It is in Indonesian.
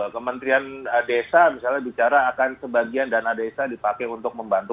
kementerian desa misalnya bicara akan sebagian dana desa dipakai untuk membantu